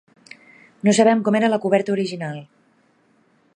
No sabem com era la coberta original.